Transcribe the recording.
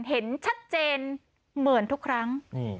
เห็นชัดเจนเหมือนทุกครั้ง